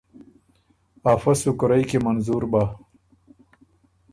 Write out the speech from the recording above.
افۀ سو کورئ کی منظور بَۀ،